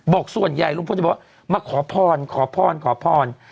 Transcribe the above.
ส่วนใหญ่ลุงพลจะบอกว่ามาขอพรขอพรขอพร